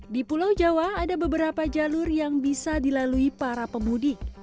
di pulau jawa ada beberapa jalur yang bisa dilalui para pemudik